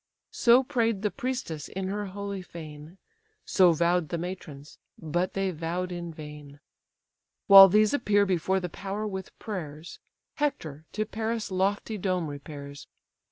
So pray'd the priestess in her holy fane; So vow'd the matrons, but they vow'd in vain. While these appear before the power with prayers, Hector to Paris' lofty dome repairs.